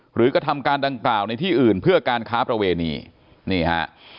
กระทำการดังกล่าวในที่อื่นเพื่อการค้าประเวณีนี่ฮะ